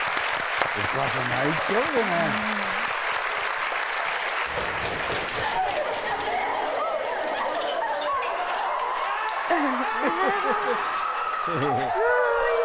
お母さん、泣いちゃうよね。